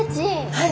はい。